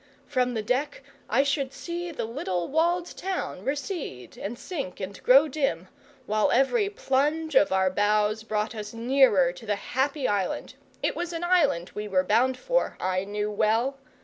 From the deck I should see the little walled town recede and sink and grow dim, while every plunge of our bows brought us nearer to the happy island it was an island we were bound for, I knew well!